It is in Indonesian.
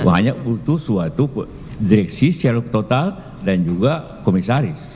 hanya butuh suatu direksi secara total dan juga komisaris